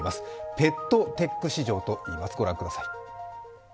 ペットテック市場といいます、ご覧ください。